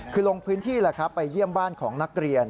คือลงพื้นที่แล้วครับไปเยี่ยมบ้านของนักเรียน